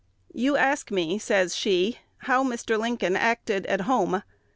"You ask me," says she, "how Mr. Lincoln acted at home.